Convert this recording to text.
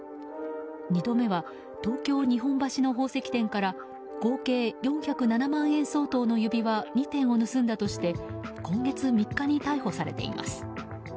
２度目は東京・日本橋の宝石店から合計４０７万円相当の指輪２点を盗んだとして今月３日に逮捕されています。